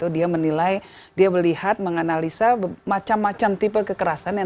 dia menilai dia melihat menganalisa macam macam tipe kekerasan